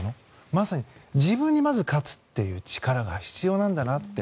まさに自分にまず勝つっていう力が必要なんだなって。